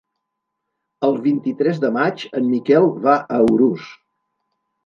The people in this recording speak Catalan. El vint-i-tres de maig en Miquel va a Urús.